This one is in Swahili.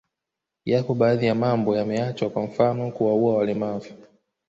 Yapo baadhi ya mambo yameachwa kwa mfano kuwaua walemavu